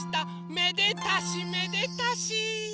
めでたしめでたし！